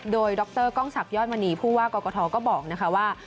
โดยดรก้องศัพยอดมณีผู้ว่ากลกท้อก็บอกว่า